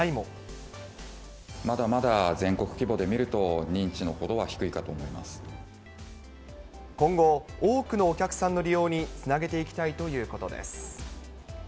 まだまだ全国規模で見ると、今後、多くのお客さんの利用につなげていきたいということです。